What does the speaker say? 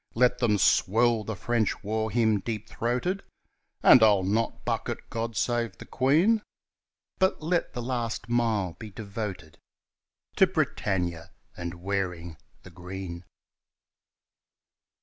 Let them swell the French war hymn deep throated (And I'll not buck at "God Save the Queen") But let the last mile be devoted To "Britannia" and "Wearing the Green."